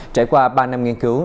trải qua ba năm nghiên cứu